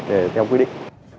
để theo quy định